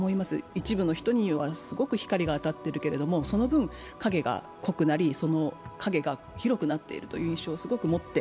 一部の人にはすごく光が当たってるけれど、その分、影が濃くなり、広くなっているという印象を持って。